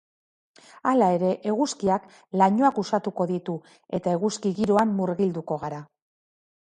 Hala ere, eguzkiak lainoak uxatuko ditu eta eguzki giroan murgilduko gara.